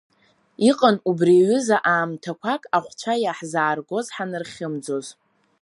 Иҟан убри аҩыза аамҭақәак ахәцәа иаҳзааргоз ҳанырхьымӡоз.